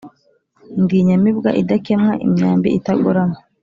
Ndi inyamibwa idakemwa, imyambi itagorama,